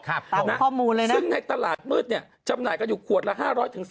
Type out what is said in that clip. ตามนะข้อมูลเลยนะซึ่งในตลาดมืดเนี่ยจำหน่ายกันอยู่ขวดละ๕๐๐๓๐